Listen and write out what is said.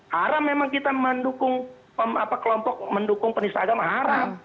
haram memang kita mendukung kelompok pendisah agama haram